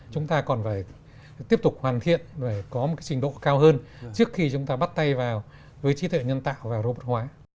chúng ta còn phải tiếp tục hoàn thiện có một trình độ cao hơn trước khi chúng ta bắt tay vào với trí tuệ nhân tạo và robot hóa